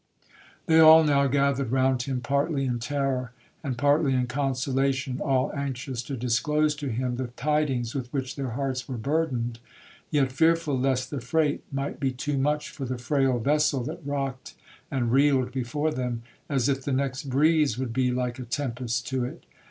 'They all now gathered round him, partly in terror and partly in consolation,—all anxious to disclose to him the tidings with which their hearts were burdened, yet fearful lest the freight might be too much for the frail vessel that rocked and reeled before them, as if the next breeze would be like a tempest to it.